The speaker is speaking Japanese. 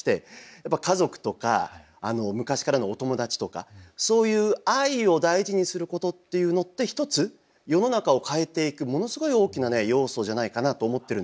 やっぱり家族とか昔からのお友達とかそういう愛を大事にすることっていうのって一つ世の中を変えていくものすごい大きな要素じゃないかなと思ってるんです。